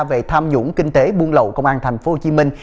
về tham nhũng kinh tế buôn lậu công an thành phố hồ chí minh